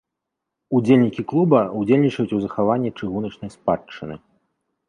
Удзельнікі клуба ўдзельнічаюць у захаванні чыгуначнай спадчыны.